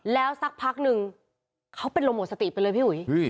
แล้วสักพักนึงเขาเป็นลมหมดสติไปเลยพี่อุ๋ย